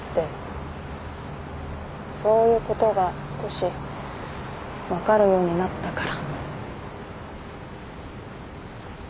そういうことが少し分かるようになったから。